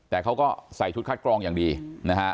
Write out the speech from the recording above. แต่เขาก็ใส่ชุดคัดกรองอย่างดีนะฮะ